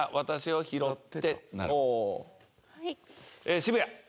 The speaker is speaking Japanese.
渋谷！